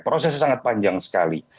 prosesnya sangat panjang sekali